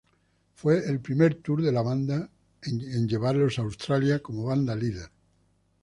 Fue el primer tour de la banda en llevarlos a Australia como banda líder.